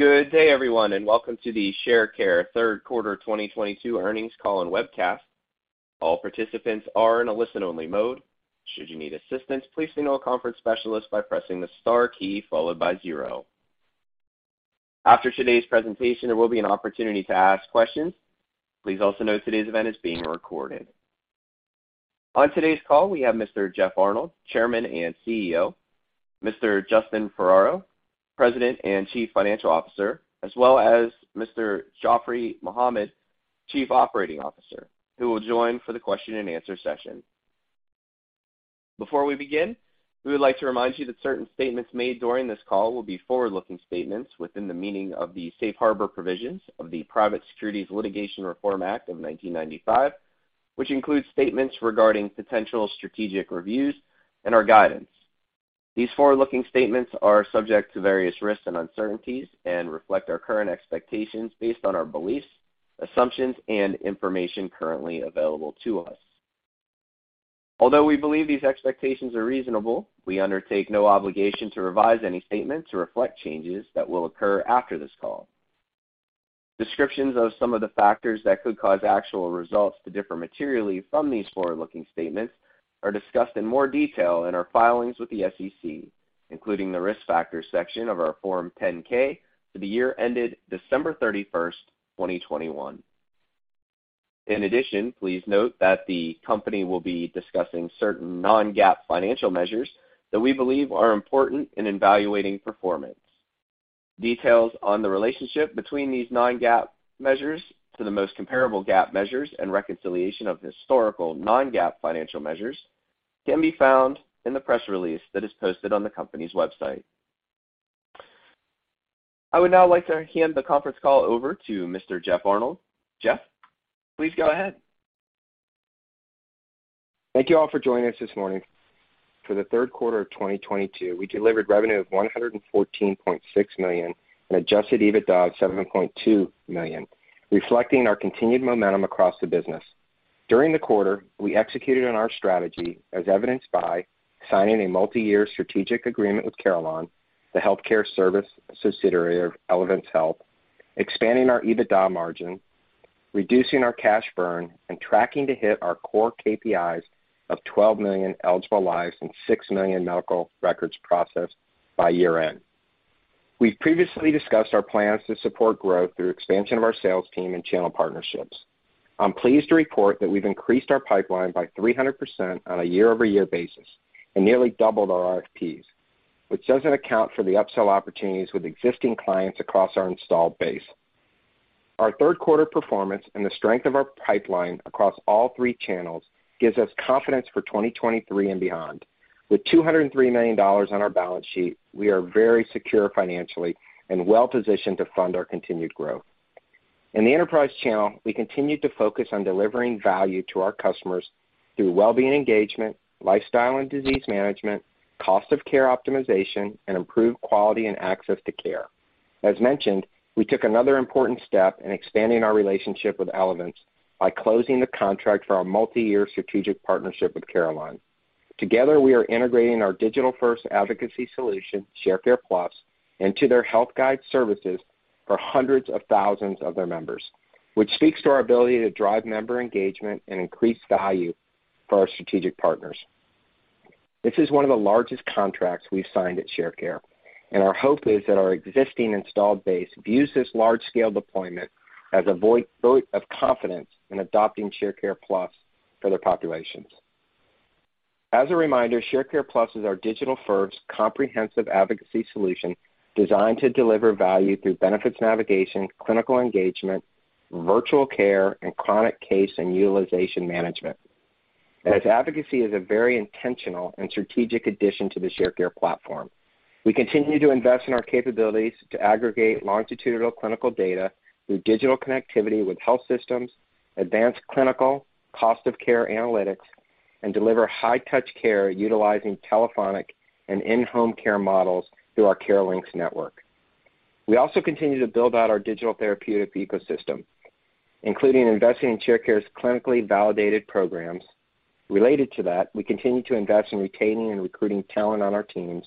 Good day, everyone, and welcome to the Sharecare third quarter 2022 earnings call and webcast. All participants are in a listen-only mode. Should you need assistance, please signal a conference specialist by pressing the star key followed by zero. After today's presentation, there will be an opportunity to ask questions. Please also note today's event is being recorded. On today's call, we have Mr. Jeff Arnold, Chairman and CEO, Mr. Justin Ferrero, President and Chief Financial Officer, as well as Mr. Jaffry Mohammed, Chief Operating Officer, who will join for the question and answer session. Before we begin, we would like to remind you that certain statements made during this call will be forward-looking statements within the meaning of the Safe Harbor provisions of the Private Securities Litigation Reform Act of 1995, which includes statements regarding potential strategic reviews and our guidance. These forward-looking statements are subject to various risks and uncertainties and reflect our current expectations based on our beliefs, assumptions, and information currently available to us. Although we believe these expectations are reasonable, we undertake no obligation to revise any statements or reflect changes that will occur after this call. Descriptions of some of the factors that could cause actual results to differ materially from these forward-looking statements are discussed in more detail in our filings with the SEC, including the Risk Factors section of our Form 10-K for the year ended December 31, 2021. In addition, please note that the company will be discussing certain non-GAAP financial measures that we believe are important in evaluating performance. Details on the relationship between these non-GAAP measures to the most comparable GAAP measures and reconciliation of historical non-GAAP financial measures can be found in the press release that is posted on the company's website. I would now like to hand the conference call over to Mr. Jeff Arnold. Jeff, please go ahead. Thank you all for joining us this morning. For the third quarter of 2022, we delivered revenue of $114.6 million and adjusted EBITDA of $7.2 million, reflecting our continued momentum across the business. During the quarter, we executed on our strategy as evidenced by signing a multiyear strategic agreement with Carelon, the healthcare service subsidiary of Elevance Health, expanding our EBITDA margin, reducing our cash burn, and tracking to hit our core KPIs of 12 million eligible lives and 6 million medical records processed by year-end. We've previously discussed our plans to support growth through expansion of our sales team and channel partnerships. I'm pleased to report that we've increased our pipeline by 300% on a year-over-year basis and nearly doubled our RFPs, which doesn't account for the upsell opportunities with existing clients across our installed base. Our third quarter performance and the strength of our pipeline across all three channels gives us confidence for 2023 and beyond. With $203 million on our balance sheet, we are very secure financially and well positioned to fund our continued growth. In the enterprise channel, we continued to focus on delivering value to our customers through well-being engagement, lifestyle and disease management, cost of care optimization, and improved quality and access to care. As mentioned, we took another important step in expanding our relationship with Elevance by closing the contract for our multiyear strategic partnership with Carelon. Together, we are integrating our digital first advocacy solution, Sharecare+, into their health guide services for hundreds of thousands of their members, which speaks to our ability to drive member engagement and increase value for our strategic partners. This is one of the largest contracts we've signed at Sharecare, and our hope is that our existing installed base views this large-scale deployment as a vote of confidence in adopting Sharecare+ for their populations. As a reminder, Sharecare+ is our digital first comprehensive advocacy solution designed to deliver value through benefits navigation, clinical engagement, virtual care, and chronic care and utilization management. As advocacy is a very intentional and strategic addition to the Sharecare platform, we continue to invest in our capabilities to aggregate longitudinal clinical data through digital connectivity with health systems, advanced clinical cost of care analytics, and deliver high touch care utilizing telephonic and in-home care models through our CareLinx network. We also continue to build out our digital therapeutic ecosystem, including investing in Sharecare's clinically validated programs. Related to that, we continue to invest in retaining and recruiting talent on our teams,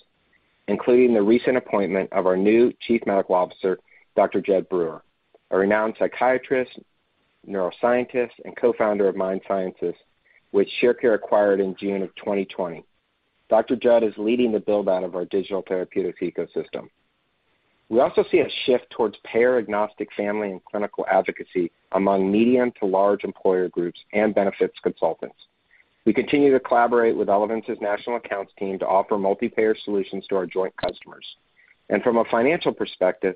including the recent appointment of our new Chief Medical Officer, Dr. Jud Brewer, a renowned psychiatrist, neuroscientist, and co-founder of MindSciences, which Sharecare acquired in June of 2020. Dr. Jud is leading the build-out of our digital therapeutics ecosystem. We also see a shift towards payer agnostic family and clinical advocacy among medium to large employer groups and benefits consultants. We continue to collaborate with Elevance Health's national accounts team to offer multi-payer solutions to our joint customers. From a financial perspective,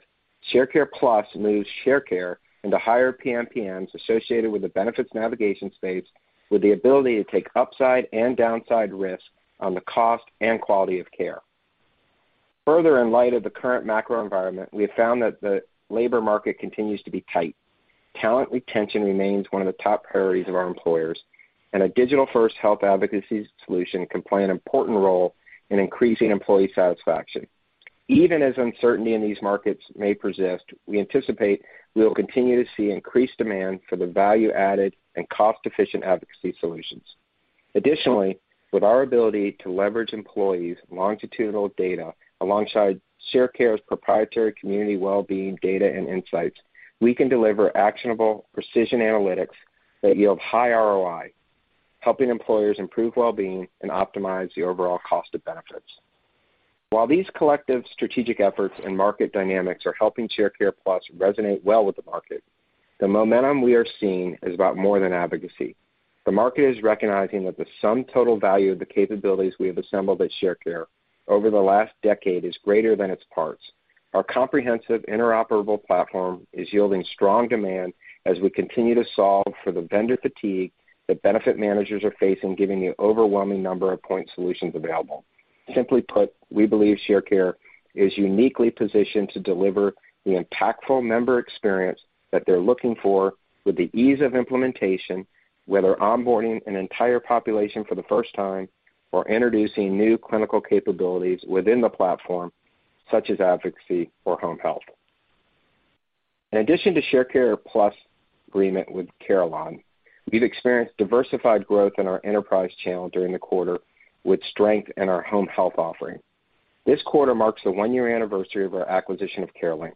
Sharecare+ moves Sharecare into higher PMPMs associated with the benefits navigation space with the ability to take upside and downside risks on the cost and quality of care. Further, in light of the current macro environment, we have found that the labor market continues to be tight. Talent retention remains one of the top priorities of our employers, and a digital-first health advocacy solution can play an important role in increasing employee satisfaction. Even as uncertainty in these markets may persist, we anticipate we will continue to see increased demand for the value-added and cost-efficient advocacy solutions. Additionally, with our ability to leverage employees' longitudinal data alongside Sharecare's proprietary community well-being data and insights, we can deliver actionable precision analytics that yield high ROI, helping employers improve well-being and optimize the overall cost of benefits. While these collective strategic efforts and market dynamics are helping Sharecare+ resonate well with the market, the momentum we are seeing is about more than advocacy. The market is recognizing that the sum total value of the capabilities we have assembled at Sharecare over the last decade is greater than its parts. Our comprehensive interoperable platform is yielding strong demand as we continue to solve for the vendor fatigue that benefit managers are facing, given the overwhelming number of point solutions available. Simply put, we believe Sharecare is uniquely positioned to deliver the impactful member experience that they're looking for with the ease of implementation, whether onboarding an entire population for the first time or introducing new clinical capabilities within the platform, such as advocacy or home health. In addition to Sharecare+ agreement with Carelon, we've experienced diversified growth in our enterprise channel during the quarter with strength in our home health offering. This quarter marks the one-year anniversary of our acquisition of CareLinx,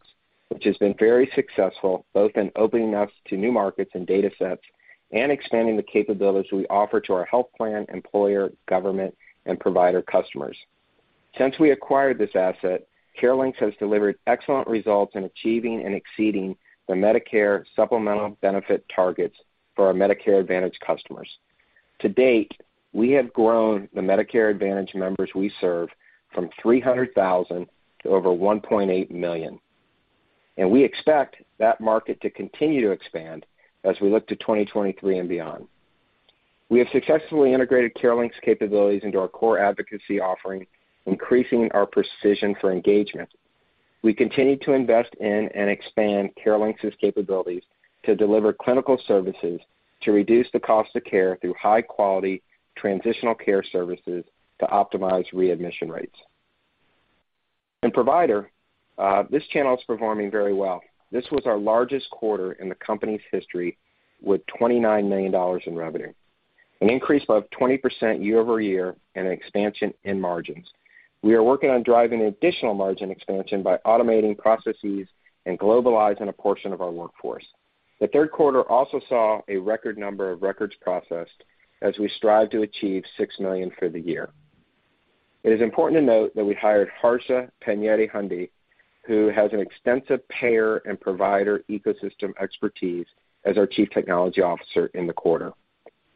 which has been very successful both in opening us to new markets and datasets and expanding the capabilities we offer to our health plan, employer, government, and provider customers. Since we acquired this asset, CareLinx has delivered excellent results in achieving and exceeding the Medicare supplemental benefit targets for our Medicare Advantage customers. To date, we have grown the Medicare Advantage members we serve from 300,000 to over 1.8 million, and we expect that market to continue to expand as we look to 2023 and beyond. We have successfully integrated CareLinx capabilities into our core advocacy offering, increasing our precision for engagement. We continue to invest in and expand CareLinx's capabilities to deliver clinical services to reduce the cost of care through high-quality transitional care services to optimize readmission rates. In provider, this channel is performing very well. This was our largest quarter in the company's history with $29 million in revenue, an increase of 20% year-over-year and an expansion in margins. We are working on driving additional margin expansion by automating processes and globalizing a portion of our workforce. The third quarter also saw a record number of records processed as we strive to achieve 6 million for the year. It is important to note that we hired Harsha Panyadahundi, who has an extensive payer and provider ecosystem expertise as our Chief Technology Officer in the quarter.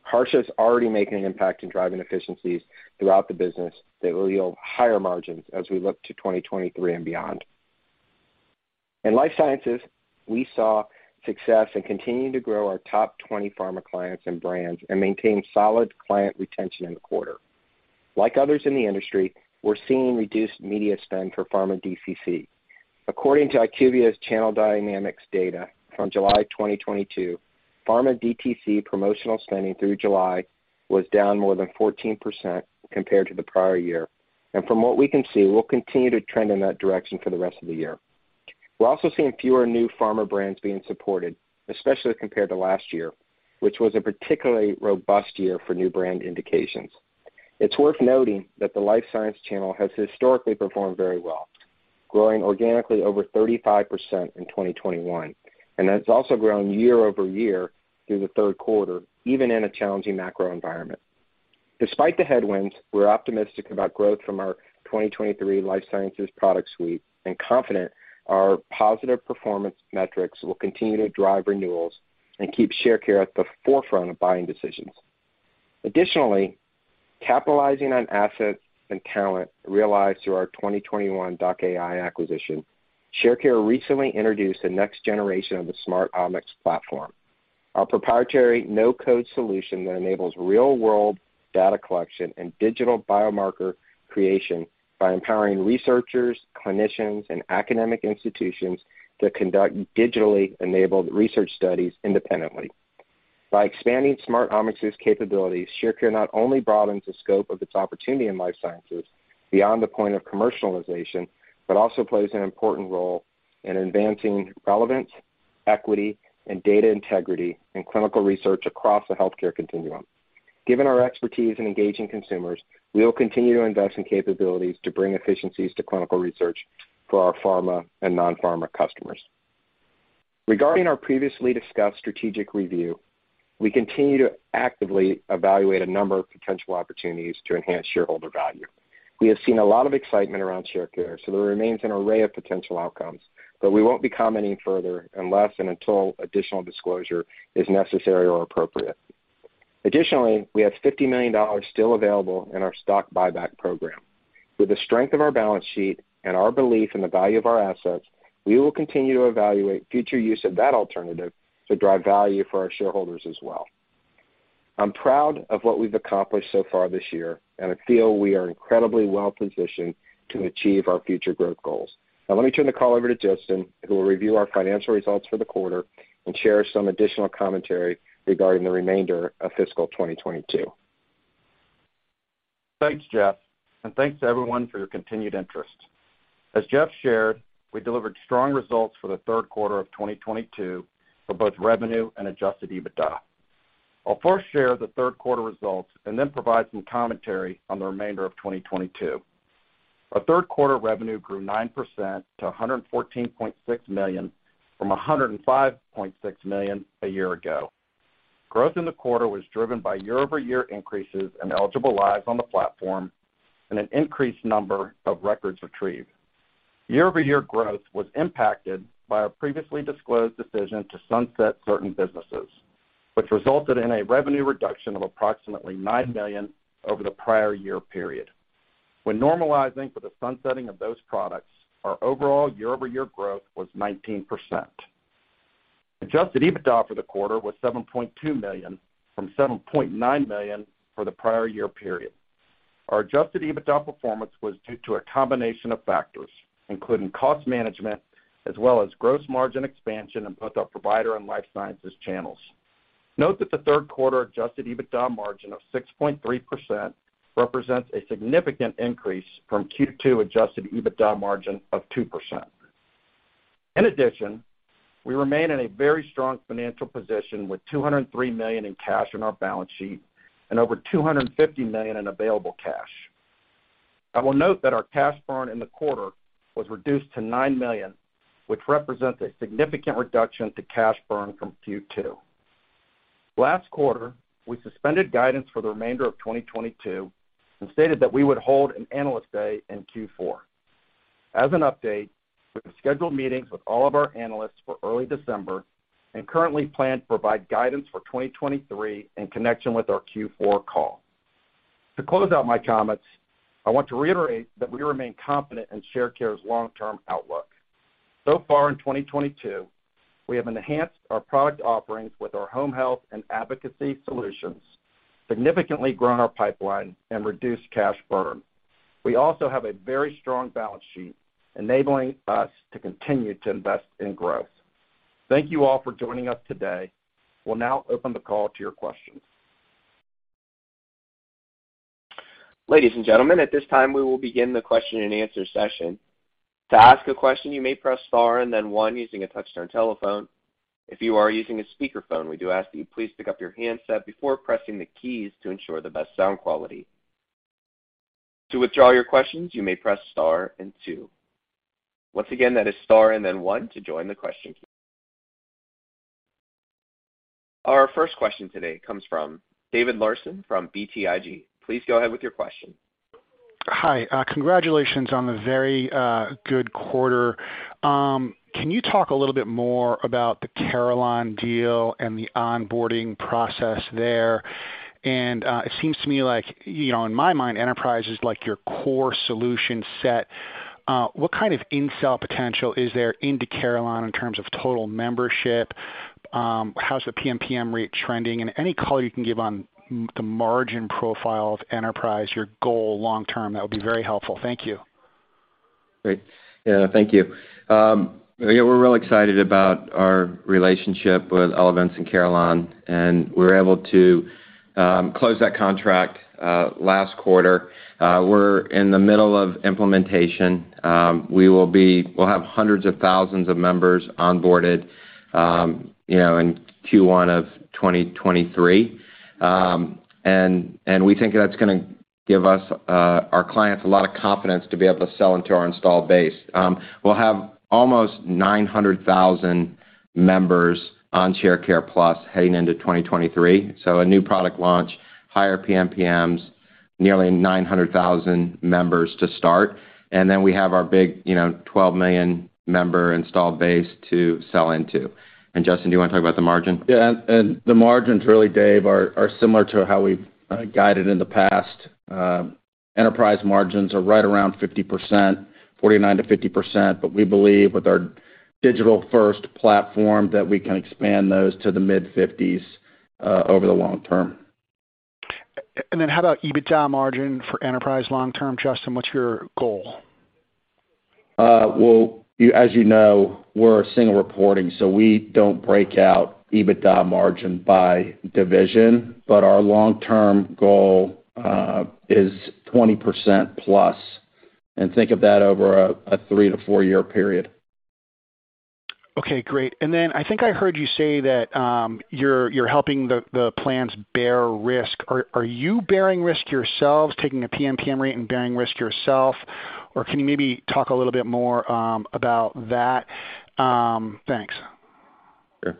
Harsha is already making an impact in driving efficiencies throughout the business that will yield higher margins as we look to 2023 and beyond. In life sciences, we saw success in continuing to grow our top 20 pharma clients and brands and maintain solid client retention in the quarter. Like others in the industry, we're seeing reduced media spend for pharma DTC. According to IQVIA's Channel Dynamics data from July 2022, pharma DTC promotional spending through July was down more than 14% compared to the prior year. From what we can see, we'll continue to trend in that direction for the rest of the year. We're also seeing fewer new pharma brands being supported, especially compared to last year, which was a particularly robust year for new brand indications. It's worth noting that the life science channel has historically performed very well, growing organically over 35% in 2021, and that's also grown year over year through the third quarter, even in a challenging macro environment. Despite the headwinds, we're optimistic about growth from our 2023 life sciences product suite and confident our positive performance metrics will continue to drive renewals and keep Sharecare at the forefront of buying decisions. Additionally, capitalizing on assets and talent realized through our 2021 doc.ai acquisition, Sharecare recently introduced the next generation of the Smart Omix platform, our proprietary no-code solution that enables real-world data collection and digital biomarker creation by empowering researchers, clinicians, and academic institutions to conduct digitally enabled research studies independently. By expanding Smart Omix's capabilities, Sharecare not only broadens the scope of its opportunity in life sciences beyond the point of commercialization, but also plays an important role in advancing relevance, equity, and data integrity in clinical research across the healthcare continuum. Given our expertise in engaging consumers, we will continue to invest in capabilities to bring efficiencies to clinical research for our pharma and non-pharma customers. Regarding our previously discussed strategic review, we continue to actively evaluate a number of potential opportunities to enhance shareholder value. We have seen a lot of excitement around Sharecare, so there remains an array of potential outcomes, but we won't be commenting further unless and until additional disclosure is necessary or appropriate. Additionally, we have $50 million still available in our stock buyback program. With the strength of our balance sheet and our belief in the value of our assets, we will continue to evaluate future use of that alternative to drive value for our shareholders as well. I'm proud of what we've accomplished so far this year, and I feel we are incredibly well-positioned to achieve our future growth goals. Now let me turn the call over to Justin, who will review our financial results for the quarter and share some additional commentary regarding the remainder of fiscal 2022. Thanks, Jeff, and thanks everyone for your continued interest. As Jeff shared, we delivered strong results for the third quarter of 2022 for both revenue and adjusted EBITDA. I'll first share the third quarter results and then provide some commentary on the remainder of 2022. Our third quarter revenue grew 9% to $114.6 million from $105.6 million a year ago. Growth in the quarter was driven by year-over-year increases in eligible lives on the platform and an increased number of records retrieved. Year-over-year growth was impacted by our previously disclosed decision to sunset certain businesses, which resulted in a revenue reduction of approximately $9 million over the prior year period. When normalizing for the sunsetting of those products, our overall year-over-year growth was 19%. Adjusted EBITDA for the quarter was $7.2 million from $7.9 million for the prior year period. Our adjusted EBITDA performance was due to a combination of factors, including cost management, as well as gross margin expansion in both our provider and life sciences channels. Note that the third quarter adjusted EBITDA margin of 6.3% represents a significant increase from Q2 adjusted EBITDA margin of 2%. In addition, we remain in a very strong financial position with $203 million in cash on our balance sheet and over $250 million in available cash. I will note that our cash burn in the quarter was reduced to $9 million, which represents a significant reduction to cash burn from Q2. Last quarter, we suspended guidance for the remainder of 2022 and stated that we would hold an analyst day in Q4. As an update, we have scheduled meetings with all of our analysts for early December and currently plan to provide guidance for 2023 in connection with our Q4 call. To close out my comments, I want to reiterate that we remain confident in Sharecare's long-term outlook. So far in 2022, we have enhanced our product offerings with our home health and advocacy solutions, significantly grown our pipeline, and reduced cash burn. We also have a very strong balance sheet, enabling us to continue to invest in growth. Thank you all for joining us today. We'll now open the call to your questions. Ladies and gentlemen, at this time, we will begin the question-and-answer session. To ask a question, you may press star and then one using a touch-tone telephone. If you are using a speakerphone, we do ask that you please pick up your handset before pressing the keys to ensure the best sound quality. To withdraw your questions, you may press star and two. Once again, that is star and then one to join the question queue. Our first question today comes from David Larsen from BTIG. Please go ahead with your question. Hi. Congratulations on the very good quarter. Can you talk a little bit more about the Carelon deal and the onboarding process there? It seems to me like, you know, in my mind, Enterprise is like your core solution set. What kind of in-sell potential is there into Carelon in terms of total membership? How's the PMPM rate trending? Any color you can give on the margin profile of Enterprise, your goal long term, that would be very helpful. Thank you. Great. Yeah. Thank you. We're real excited about our relationship with Elevance and Carelon, and we were able to close that contract last quarter. We're in the middle of implementation. We'll have hundreds of thousands of members onboarded, you know, in Q1 of 2023. We think that's gonna give us our clients a lot of confidence to be able to sell into our installed base. We'll have almost 900,000 members on Sharecare+ heading into 2023. So a new product launch, higher PMPMs, nearly 900,000 members to start, and then we have our big, you know, 12 million member installed base to sell into. Justin, do you wanna talk about the margin? Yeah. The margins really, David, are similar to how we've guided in the past. Enterprise margins are right around 50%, 49%-50%. We believe with our digital-first platform that we can expand those to the mid-50s%, over the long term. How about EBITDA margin for Enterprise long term, Justin? What's your goal? As you know, we're a single reporting, so we don't break out EBITDA margin by division. Our long-term goal is 20%+, and think of that over a three- to four-year period. Okay, great. I think I heard you say that you're helping the plans bear risk. Are you bearing risk yourselves, taking a PMPM rate and bearing risk yourself? Or can you maybe talk a little bit more about that? Thanks. Sure.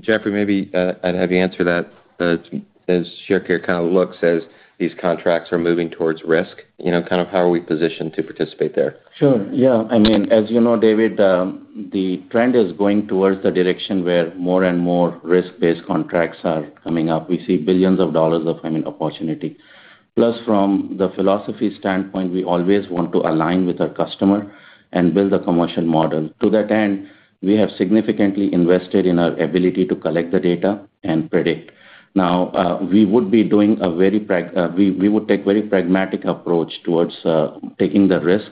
Jeffrey, maybe I'd have you answer that as Sharecare kind of looks at these contracts are moving toward risk, you know, kind of how are we positioned to participate there? Sure, yeah. I mean, as you know, David, the trend is going towards the direction where more and more risk-based contracts are coming up. We see $ billions of opportunity. Plus, from the philosophy standpoint, we always want to align with our customer and build a commercial model. To that end, we have significantly invested in our ability to collect the data and predict. Now, we would take very pragmatic approach towards taking the risk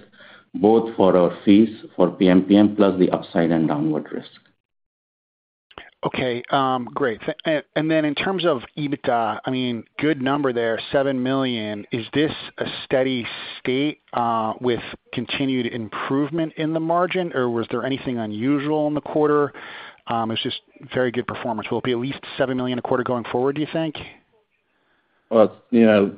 both for our fees for PMPM, plus the upside and downward risk. Okay. Great. In terms of EBITDA, I mean, good number there, $7 million. Is this a steady state, with continued improvement in the margin, or was there anything unusual in the quarter? It's just very good performance. Will it be at least $7 million a quarter going forward, do you think? Well, you know,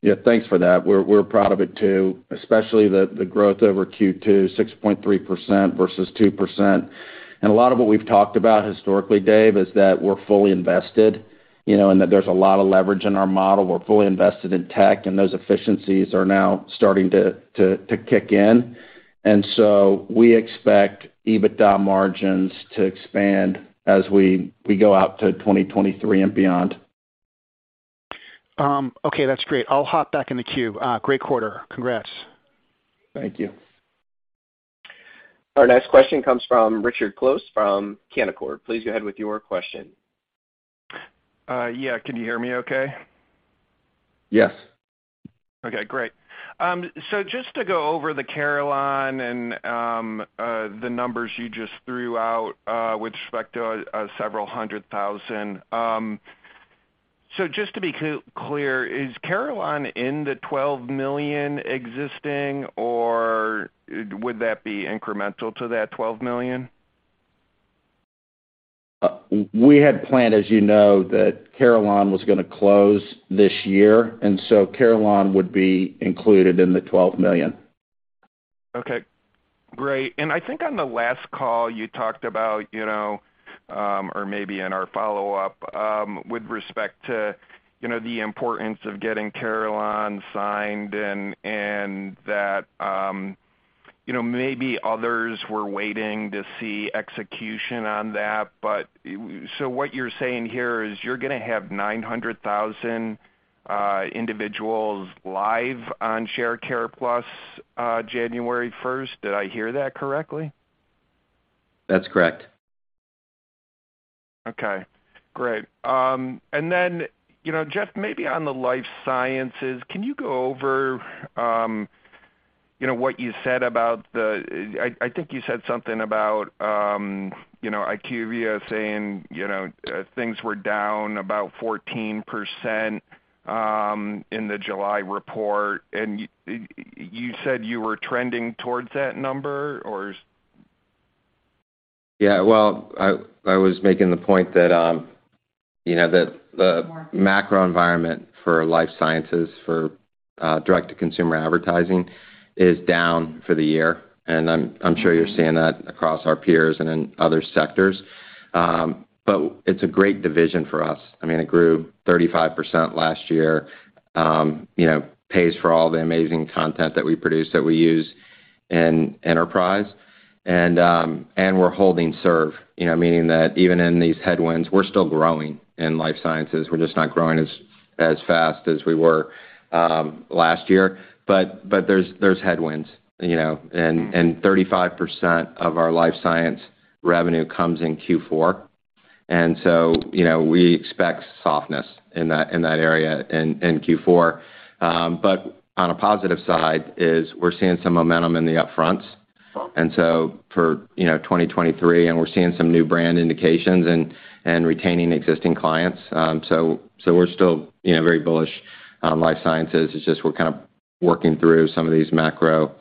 yeah, thanks for that. We're proud of it too, especially the growth over Q2, 6.3% versus 2%. A lot of what we've talked about historically, Dave, is that we're fully invested, you know, and that there's a lot of leverage in our model. We're fully invested in tech, and those efficiencies are now starting to kick in. We expect EBITDA margins to expand as we go out to 2023 and beyond. Okay, that's great. I'll hop back in the queue. Great quarter. Congrats. Thank you. Our next question comes from Richard Close from Canaccord Genuity. Please go ahead with your question. Yeah. Can you hear me okay? Yes. Okay, great. Just to go over the Carelon and the numbers you just threw out with respect to several hundred thousand. Just to be clear, is Carelon in the 12 million existing, or would that be incremental to that 12 million? We had planned, as you know, that Carelon was gonna close this year, and so Carelon would be included in the $12 million. Okay, great. I think on the last call you talked about, you know, or maybe in our follow-up, with respect to, you know, the importance of getting Carelon signed and that, you know, maybe others were waiting to see execution on that. But so what you're saying here is you're gonna have 900,000 individuals live on Sharecare+, January 1. Did I hear that correctly? That's correct. Okay, great. You know, Jeff, maybe on the life sciences, can you go over, you know, what you said about the I think you said something about, you know, IQVIA saying, you know, things were down about 14% in the July report, and you said you were trending towards that number, or? Yeah. Well, I was making the point that, you know, the macro environment for life sciences, for direct-to-consumer advertising is down for the year, and I'm sure you're seeing that across our peers and in other sectors. But it's a great division for us. I mean, it grew 35% last year. You know, pays for all the amazing content that we produce, that we use in enterprise and we're holding serve, you know, meaning that even in these headwinds, we're still growing in life sciences. We're just not growing as fast as we were last year. But there's headwinds, you know, and 35% of our life sciences revenue comes in Q4. You know, we expect softness in that area in Q4. On a positive side is we're seeing some momentum in the upfronts. For, you know, 2023, and we're seeing some new brand indications and retaining existing clients. We're still, you know, very bullish on life sciences. It's just we're kind of working through some of these macro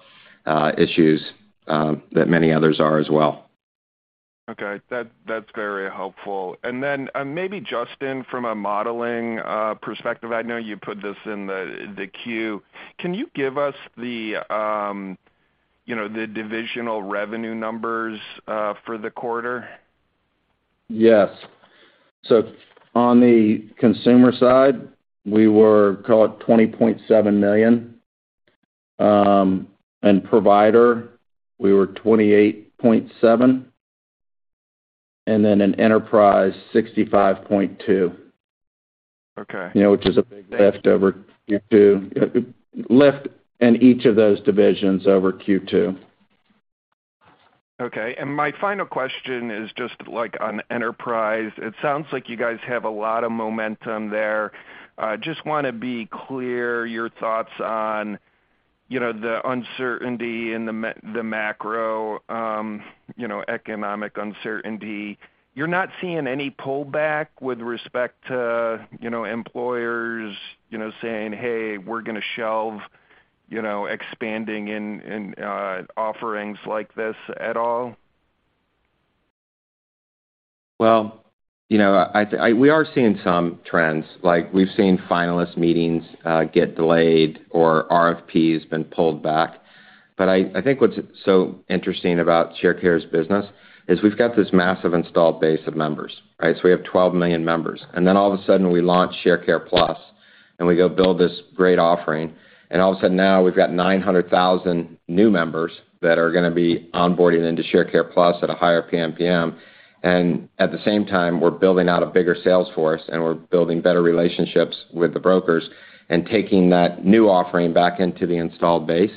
issues that many others are as well. Okay. That's very helpful. Maybe Justin, from a modeling perspective, I know you put this in the queue. Can you give us, you know, the divisional revenue numbers for the quarter? Yes. On the consumer side, we were call it $20.7 million. Provider, we were $28.7 million. In Enterprise, $65.2 million. Okay. You know, which is a big lift over Q2. Lift in each of those divisions over Q2. Okay. My final question is just like on Enterprise. It sounds like you guys have a lot of momentum there. Just wanna be clear, your thoughts on, you know, the uncertainty and the macro, you know, economic uncertainty. You're not seeing any pullback with respect to, you know, employers, you know, saying, "Hey, we're gonna shelve, you know, expanding in offerings like this at all? Well, you know, we are seeing some trends, like we've seen finalist meetings get delayed or RFPs been pulled back. I think what's so interesting about Sharecare's business is we've got this massive installed base of members, right? We have 12 million members, and then all of a sudden, we launch Sharecare+, and we go build this great offering. All of a sudden now we've got 900,000 new members that are gonna be onboarding into Sharecare+ at a higher PMPM. At the same time, we're building out a bigger sales force, and we're building better relationships with the brokers and taking that new offering back into the installed base.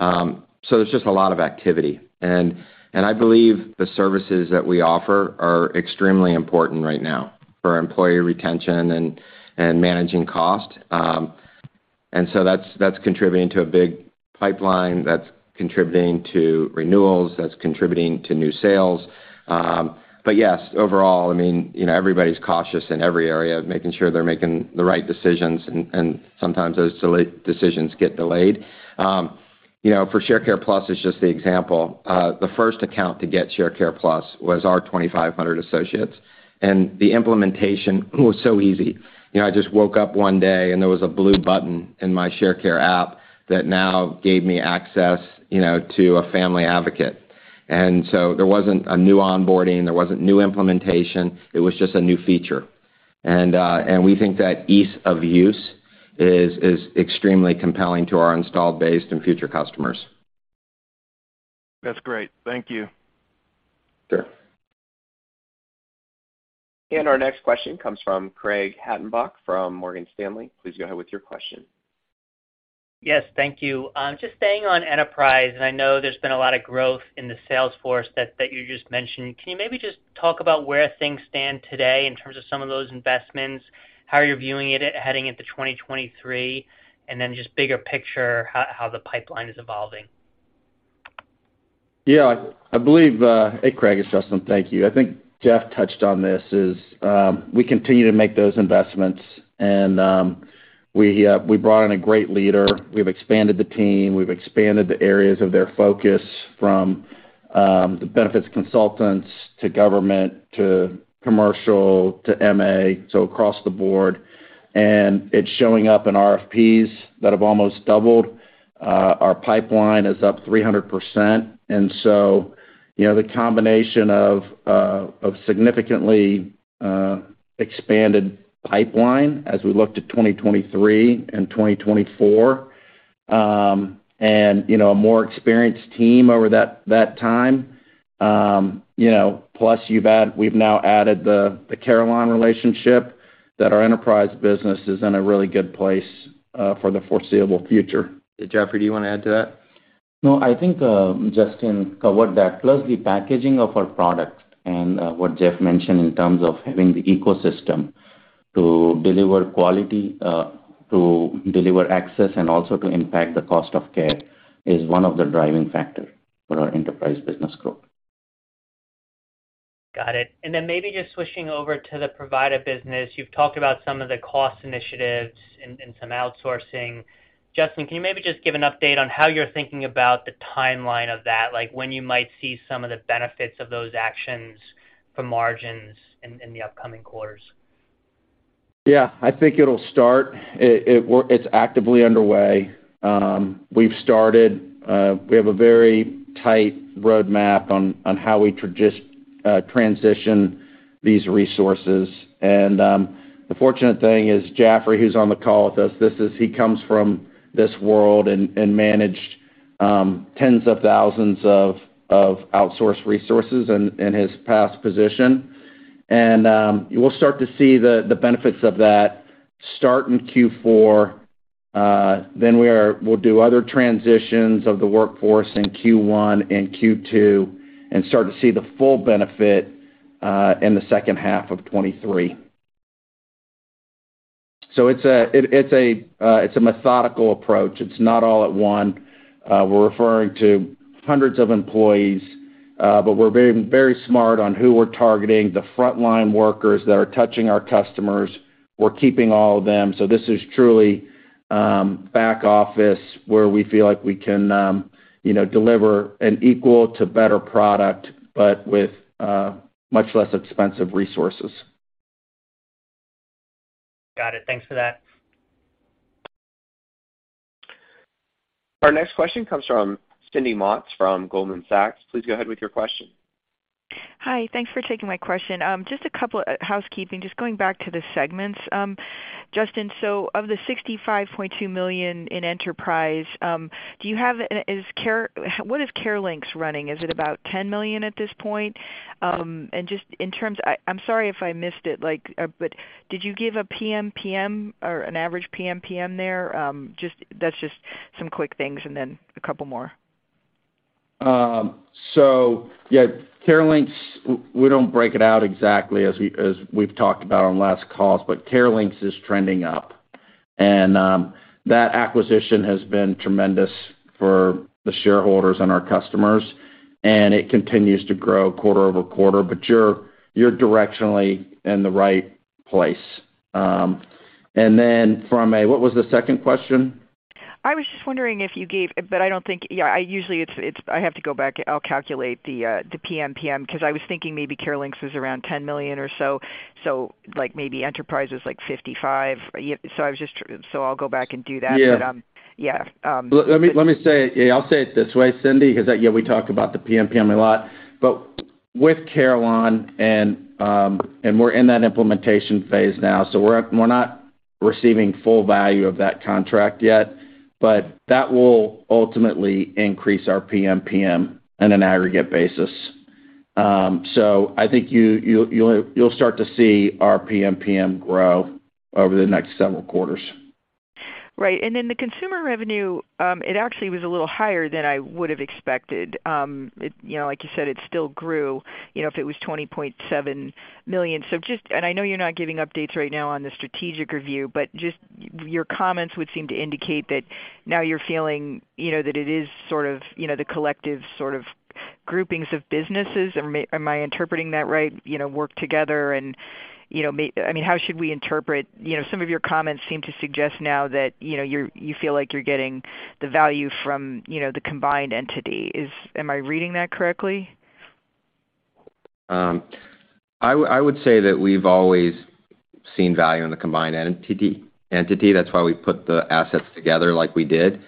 There's just a lot of activity. I believe the services that we offer are extremely important right now for employee retention and managing cost. That's contributing to a big pipeline, that's contributing to renewals, that's contributing to new sales. But yes, overall, I mean, you know, everybody's cautious in every area, making sure they're making the right decisions, and sometimes those decisions get delayed. You know, for Sharecare+ is just the example. The first account to get Sharecare+ was our 2,500 associates, and the implementation was so easy. You know, I just woke up one day, and there was a blue button in my Sharecare app that now gave me access, you know, to a family advocate. We think that ease of use is extremely compelling to our installed base and future customers. That's great. Thank you. Sure. Our next question comes from Craig Hettenbach from Morgan Stanley. Please go ahead with your question. Yes, thank you. Just staying on enterprise, and I know there's been a lot of growth in the sales force that you just mentioned. Can you maybe just talk about where things stand today in terms of some of those investments, how you're viewing it heading into 2023, and then just bigger picture, how the pipeline is evolving? Yeah. I believe. Hey, Craig, it's Justin. Thank you. I think Jeff touched on this, we continue to make those investments and we brought in a great leader. We've expanded the team. We've expanded the areas of their focus from the benefits consultants to government to commercial to MA, so across the board. It's showing up in RFPs that have almost doubled. Our pipeline is up 300%. You know, the combination of significantly expanded pipeline as we look to 2023 and 2024, and you know, a more experienced team over that time, you know. Plus, we've now added the Carelon relationship that our enterprise business is in a really good place for the foreseeable future. Jeffrey, do you wanna add to that? No, I think, Justin covered that. Plus the packaging of our products and, what Jeff mentioned in terms of having the ecosystem to deliver quality, to deliver access and also to impact the cost of care is one of the driving factor for our enterprise business growth. Got it. Then maybe just switching over to the provider business. You've talked about some of the cost initiatives and some outsourcing. Justin, can you maybe just give an update on how you're thinking about the timeline of that, like when you might see some of the benefits of those actions for margins in the upcoming quarters? Yeah. I think it'll start. It's actively underway. We've started. We have a very tight roadmap on how we transition these resources. The fortunate thing is Jaffry, who's on the call with us, he comes from this world and managed tens of thousands of outsourced resources in his past position. You will start to see the benefits of that start in Q4, then we'll do other transitions of the workforce in Q1 and Q2 and start to see the full benefit in the second half of 2023. It's a methodical approach. It's not all at once. We're referring to hundreds of employees, but we're very smart on who we're targeting. The frontline workers that are touching our customers, we're keeping all of them. This is truly, back office, where we feel like we can, you know, deliver an equal to better product, but with, much less expensive resources. Got it. Thanks for that. Our next question comes from Cindy Motz from Goldman Sachs. Please go ahead with your question. Hi. Thanks for taking my question. Just a couple housekeeping. Just going back to the segments, Justin, so of the $65.2 million in enterprise, what is CareLinx's running? Is it about $10 million at this point? And just in terms, I'm sorry if I missed it, like, but did you give a PMPM or an average PMPM there? Just, that's just some quick things and then a couple more. We don't break it out exactly as we've talked about on last calls, but CareLinx's is trending up. That acquisition has been tremendous for the shareholders and our customers, and it continues to grow quarter-over-quarter. You're directionally in the right place. What was the second question? I have to go back. I'll calculate the PMPM 'cause I was thinking maybe CareLinx's was around $10 million or so, like, maybe enterprise was, like, $55 million. I'll go back and do that. Yeah. Yeah. Let me say it. Yeah, I'll say it this way, Cindy, 'cause that we talk about the PMPM a lot. With Carelon and we're in that implementation phase now, so we're not receiving full value of that contract yet, but that will ultimately increase our PMPM on an aggregate basis. I think you'll start to see our PMPM grow over the next several quarters. Right. Then the consumer revenue, it actually was a little higher than I would have expected. It, you know, like you said, it still grew, you know, if it was $20.7 million. I know you're not giving updates right now on the strategic review, but just your comments would seem to indicate that now you're feeling, you know, that it is sort of, you know, the collective sort of groupings of businesses. Am I interpreting that right? You know, work together and, you know. I mean, how should we interpret. You know, some of your comments seem to suggest now that, you know, you're, you feel like you're getting the value from, you know, the combined entity. Am I reading that correctly? I would say that we've always seen value in the combined entity. That's why we put the assets together like we did.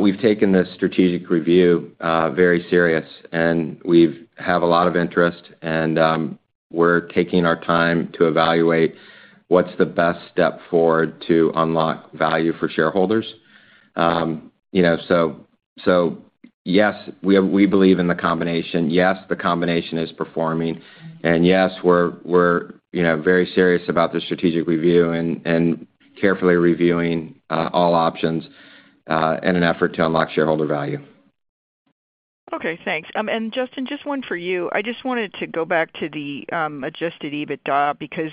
We've taken the strategic review very serious, and we have a lot of interest, and we're taking our time to evaluate what's the best step forward to unlock value for shareholders. You know, so yes, we believe in the combination. Yes, the combination is performing. Yes, we're you know very serious about the strategic review and carefully reviewing all options in an effort to unlock shareholder value. Okay, thanks. Justin, just one for you. I just wanted to go back to the adjusted EBITDA because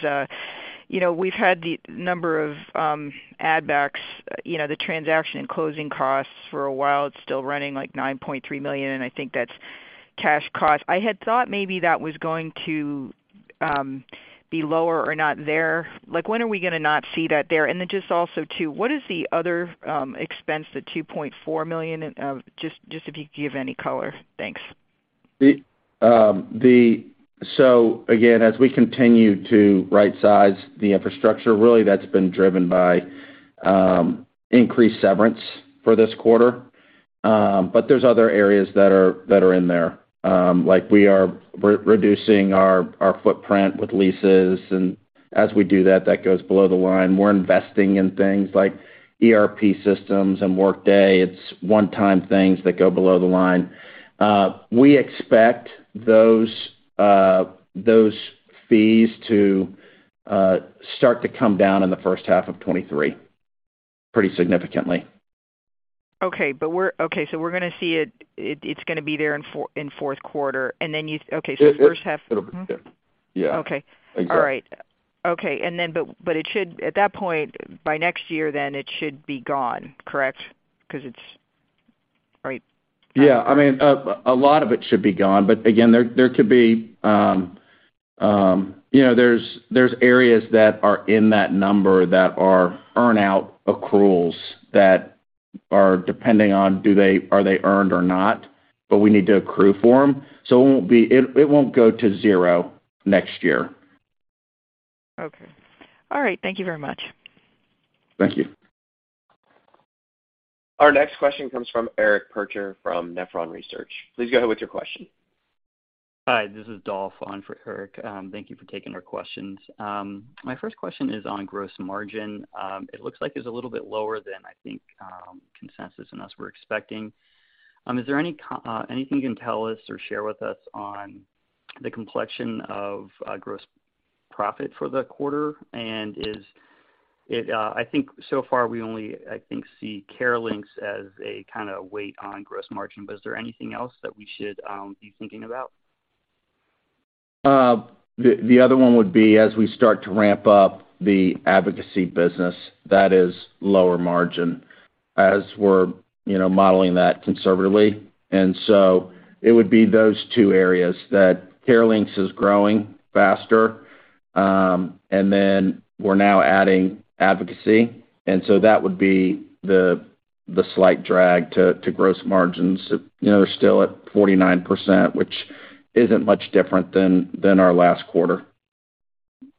you know, we've had the number of add backs, you know, the transaction and closing costs for a while. It's still running like $9.3 million, and I think that's cash cost. I had thought maybe that was going to be lower or not there. Like, when are we gonna not see that there? Then just also too, what is the other expense, the $2.4 million. Just if you could give any color. Thanks. Again, as we continue to right size the infrastructure, really that's been driven by increased severance for this quarter. There's other areas that are in there. Like we are re-reducing our footprint with leases, and as we do that goes below the line. We're investing in things like ERP systems and Workday. It's one-time things that go below the line. We expect those fees to start to come down in the first half of 2023 pretty significantly. Okay, we're gonna see it. It's gonna be there in fourth quarter. It, it- First half It'll be. Yeah. Okay. Exactly. All right. Okay. At that point, by next year then, it should be gone, correct? 'Cause it's right? Yeah. I mean, a lot of it should be gone, but again, there could be, you know, there's areas that are in that number that are earn-out accruals that are depending on, are they earned or not, but we need to accrue for them, it won't go to zero next year. Okay. All right. Thank you very much. Thank you. Our next question comes from Eric Percher from Nephron Research. Please go ahead with your question. Hi, this is Dolph on for Eric. Thank you for taking our questions. My first question is on gross margin. It looks like it's a little bit lower than I think consensus and us were expecting. Is there anything you can tell us or share with us on the complexion of gross profit for the quarter? Is it, I think so far we only, I think, see CareLinx as a kinda weight on gross margin, but is there anything else that we should be thinking about? The other one would be as we start to ramp up the advocacy business, that is lower margin as we're, you know, modeling that conservatively. It would be those two areas that CareLinx is growing faster, and then we're now adding advocacy. That would be the slight drag to gross margins. You know, we're still at 49%, which isn't much different than our last quarter.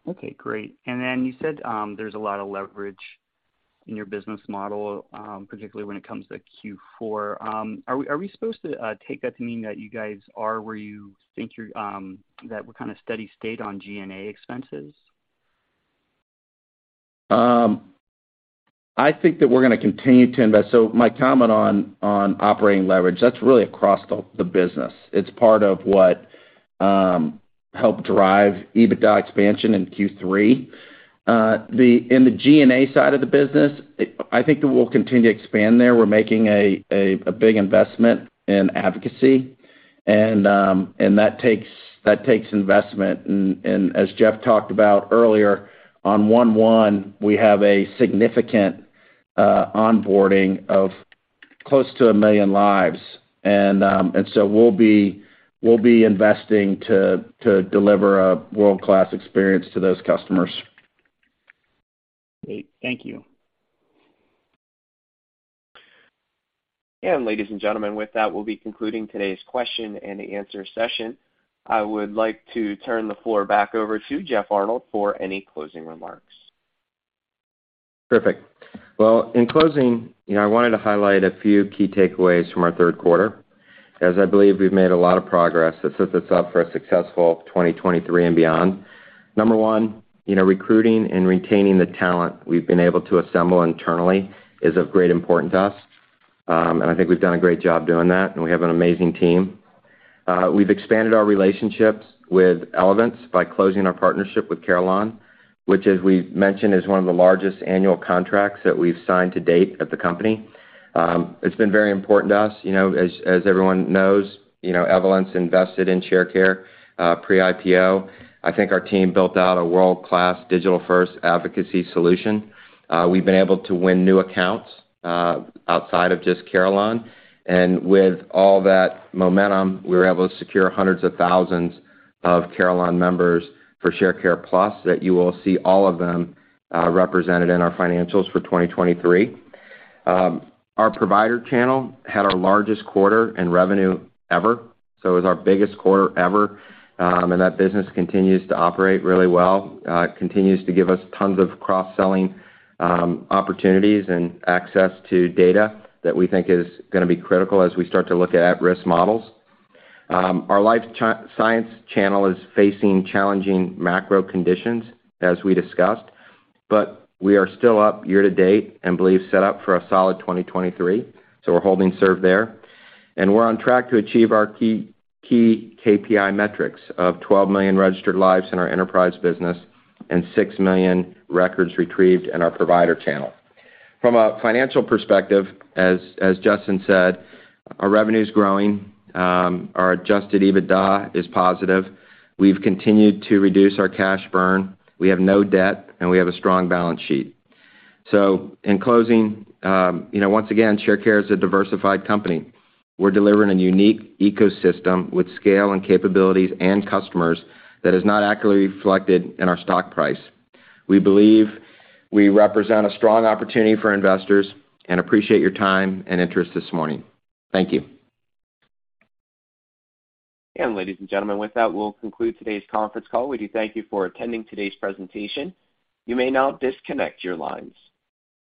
Okay, great. You said there's a lot of leverage in your business model, particularly when it comes to Q4. Are we supposed to take that to mean that you guys are where you think you're that we're kind of steady state on G&A expenses? I think that we're gonna continue to invest. My comment on operating leverage, that's really across the business. It's part of what helped drive EBITDA expansion in Q3. In the G&A side of the business, I think that we'll continue to expand there. We're making a big investment in advocacy, and that takes investment. As Jeff talked about earlier, on one-one, we have a significant onboarding of close to a million lives. We'll be investing to deliver a world-class experience to those customers. Great. Thank you. Ladies and gentlemen, with that, we'll be concluding today's question and answer session. I would like to turn the floor back over to Jeff Arnold for any closing remarks. Perfect. Well, in closing, you know, I wanted to highlight a few key takeaways from our third quarter, as I believe we've made a lot of progress that sets us up for a successful 2023 and beyond. Number one, you know, recruiting and retaining the talent we've been able to assemble internally is of great importance to us, and I think we've done a great job doing that, and we have an amazing team. We've expanded our relationships with Evolent by closing our partnership with Carelon, which as we've mentioned, is one of the largest annual contracts that we've signed to date at the company. It's been very important to us. You know, as everyone knows, you know, Evolent's invested in Sharecare, pre-IPO. I think our team built out a world-class digital-first advocacy solution. We've been able to win new accounts, outside of just Carelon. With all that momentum, we were able to secure hundreds of thousands of Carelon members for Sharecare+ that you will see all of them, represented in our financials for 2023. Our provider channel had our largest quarter in revenue ever, so it was our biggest quarter ever. That business continues to operate really well. It continues to give us tons of cross-selling opportunities and access to data that we think is gonna be critical as we start to look at at-risk models. Our life science channel is facing challenging macro conditions, as we discussed, but we are still up year to date and believe set up for a solid 2023, so we're holding serve there. We're on track to achieve our key KPI metrics of 12 million registered lives in our enterprise business and 6 million records retrieved in our provider channel. From a financial perspective, as Justin said, our revenue's growing. Our adjusted EBITDA is positive. We've continued to reduce our cash burn. We have no debt, and we have a strong balance sheet. In closing, you know, once again, Sharecare is a diversified company. We're delivering a unique ecosystem with scale and capabilities and customers that is not accurately reflected in our stock price. We believe we represent a strong opportunity for investors and appreciate your time and interest this morning. Thank you. Ladies and gentlemen, with that, we'll conclude today's conference call. We do thank you for attending today's presentation. You may now disconnect your lines.